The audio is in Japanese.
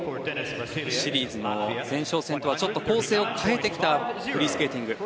シリーズの前哨戦とはちょっと構成を変えてきたフリースケーティング。